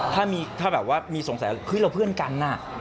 ถ้ามีสงสัยว่าเราเพื่อนกัน